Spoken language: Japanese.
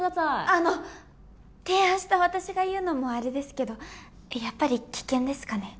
あの提案した私が言うのもあれですけどやっぱり危険ですかね？